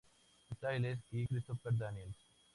Styles o Christopher Daniels.